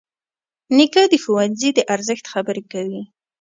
نیکه د ښوونځي د ارزښت خبرې کوي.